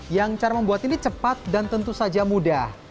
yang cara membuat ini cepat dan tentu saja mudah